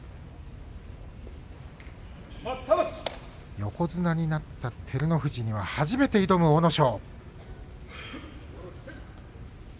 横綱になった照ノ富士に初めて挑む阿武咲。